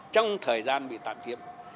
trong thời gian bị tạm chiếm